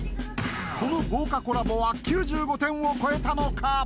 この豪華コラボは９５点を超えたのか！？